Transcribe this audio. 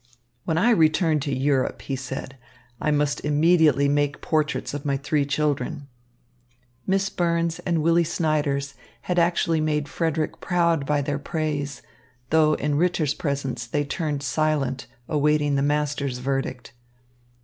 "When I return to Europe," he said, "I must immediately make portraits of my three children." Miss Burns and Willy Snyders had actually made Frederick proud by their praise, though in Ritter's presence they turned silent awaiting the master's verdict.